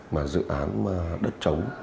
mà dự án đất trống